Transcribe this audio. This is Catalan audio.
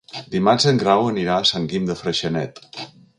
Dimarts en Grau anirà a Sant Guim de Freixenet.